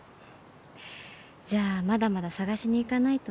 じゃあまだまだ探しに行かないとね。